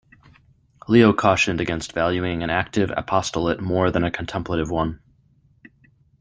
Leo cautioned against valuing an active apostolate more than a contemplative one.